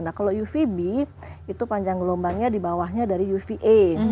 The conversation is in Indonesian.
nah kalau uvb itu panjang gelombangnya di bawahnya dari uva